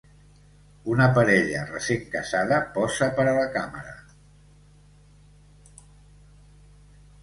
Una parella recent casada posa per a la càmera.